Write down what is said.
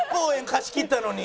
貸し切ったのに？